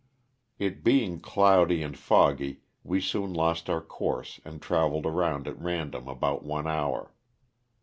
It being cloudy and foggy we soon lost our course and traveled around at random about one hour.